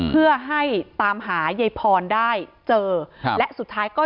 เพื่อให้ตามหายายพรได้เจอครับและสุดท้ายก็